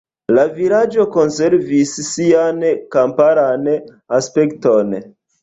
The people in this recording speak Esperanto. La vilaĝo konservis sian kamparan aspekton.